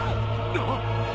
あっ！